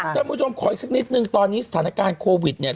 ท่านผู้ชมขออีกสักนิดนึงตอนนี้สถานการณ์โควิดเนี่ย